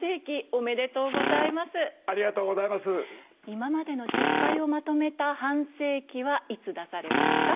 今までの失敗をまとめたハンセイキはいつ出されますか？